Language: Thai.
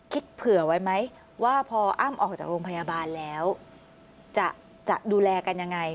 เผื่อไว้ไหมว่าพออ้ำออกจากโรงพยาบาลแล้วจะดูแลกันยังไง